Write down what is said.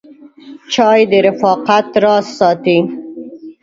چای د رفاقت راز ساتي.